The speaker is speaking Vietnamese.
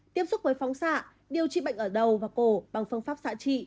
tiếp xúc với phóng xạ điều trị bệnh ở đầu và cổ bằng phương pháp xạ trị